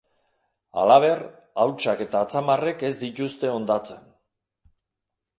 Halaber, hautsak eta atzamarrek ez dituzte hondatzen.